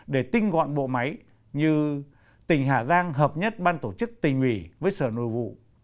để tinh gọn bộ máy như tỉnh hà giang hợp nhất ban tổ chức tỉnh ủy với sở nội vụ